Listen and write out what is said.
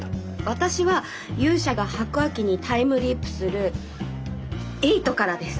私は勇者が白亜紀にタイムリープするⅧからです。